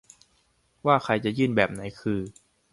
ว่าใครจะยื่นแบบไหนคือ